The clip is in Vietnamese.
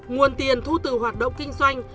nguồn tiền thu từ hoạt động kinh doanh